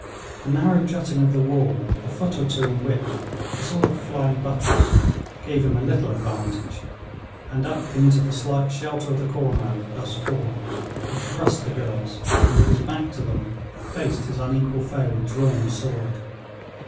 A narrow jutting of the wall, a foot or two in width, a sort of flying buttress, gave him a little advantage, and up into the slight shelter of the corner thus formed he thrust the girls, and with his back to them, faced his unequal foe with drawn sword.